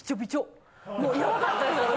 もうヤバかったです私。